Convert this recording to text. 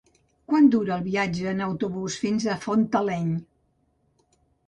Quant dura el viatge en autobús fins a Fortaleny?